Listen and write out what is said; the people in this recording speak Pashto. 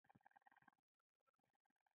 دوی د یوې لویې تبۍ ډوله کړایۍ شاخوا ناست وو.